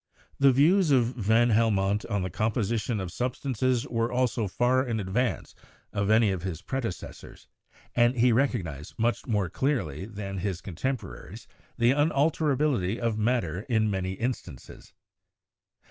The views of van Helmont on the composition of sub stances also were far in advance of any of his predeces sors, and he recognised much more clearly than his con temporaries the unalterability of matter in many instances.